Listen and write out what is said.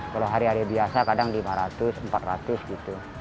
kalau hari hari biasa kadang lima ratus empat ratus gitu